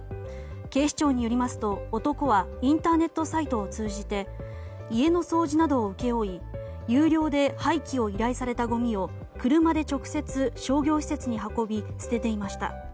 警視庁によりますと男はインターネットサイトを通じて家の掃除などを請け負い有料で廃棄を依頼されたごみを車で直接、商業施設に運び捨てていました。